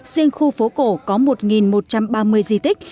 riêng khu phố cổ có một một trăm ba mươi di tích